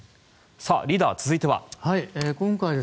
リーダー、続いては。